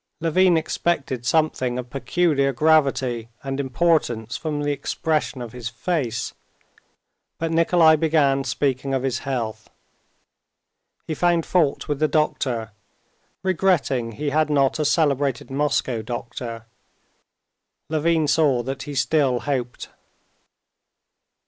Levin expected something of peculiar gravity and importance from the expression of his face, but Nikolay began speaking of his health. He found fault with the doctor, regretting he had not a celebrated Moscow doctor. Levin saw that he still hoped.